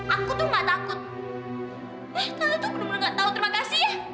aku tuh gak takut eh tuh bener bener gak tau terima kasih ya